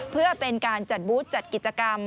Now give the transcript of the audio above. เพื่อเป็นการจัดบูธจัดกิจกรรม